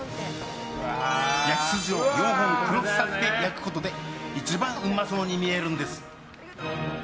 焼き筋を４本クロスさせて焼くことで一番うまそうに見えるんです。